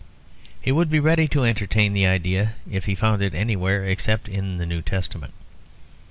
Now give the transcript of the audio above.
He would be ready to entertain the idea if he found it anywhere except in the New Testament.